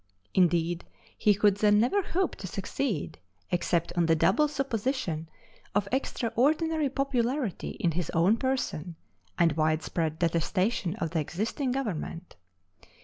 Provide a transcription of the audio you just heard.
Indeed, he could then never hope to succeed, except on the double supposition of extraordinary popularity in his own person and widespread detestation of the existing government.